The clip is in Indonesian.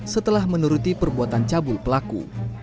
setelah menuruti perbuatan cabul pelaku